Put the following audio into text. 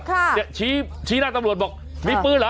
ค่ะเดี๋ยวชี้ชี้หน้าตำลวดบอกมีปืนเหรอเออ